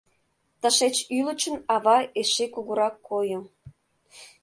Тышеч ӱлычын ава эше кугурак койо.